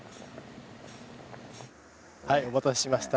はいお待たせしました。